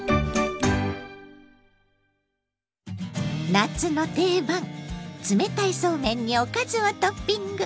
夏の定番冷たいそうめんにおかずをトッピング！